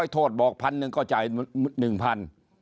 โทษบอก๑๐๐๐หนึ่งก็จ่ายหนึ่งพัน